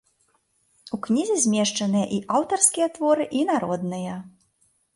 У кнізе змешчаныя і аўтарскія творы, і народныя.